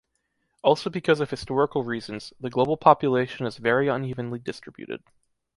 Also because of historical reasons, the global population is very unevenly distributed.